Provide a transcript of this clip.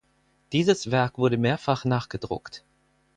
Dieses Werk wurde mehrfach nachgedruckt.